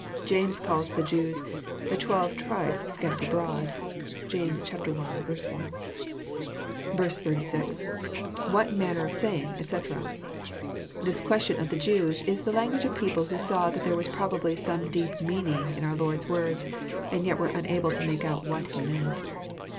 James calls the Jews "the twelve tribes scattered abroad." (James 1. 1.) JOHN, CHAP. vn. 89 06. — [_Wh(U manner of saying, etc,"] This qnestion of the Jews is the language of people who saw that there was probably some deep meaning in our Lord*s woftts^and yet were unable to make out which He meant.